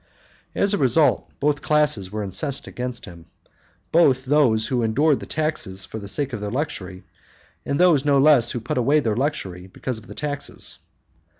As_a result, both classes were incensed against him, both those who endured the taxes for the sake of their luxury, and those no less who put away their luxury because of the taxes.